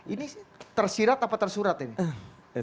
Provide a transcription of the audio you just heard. ini tersirat apa tersurat ini